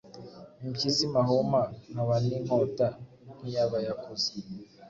Impyisi mahuma nkaba ni nkota nkiyabayakuza